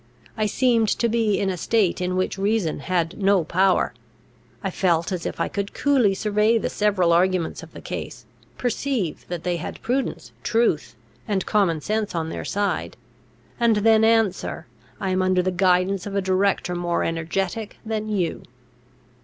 I seemed to be in a state in which reason had no power. I felt as if I could coolly survey the several arguments of the case, perceive that they had prudence, truth, and common sense on their side; and then answer, I am under the guidance of a director more energetic than you.